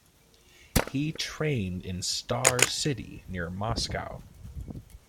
He trained in Star City near Moscow.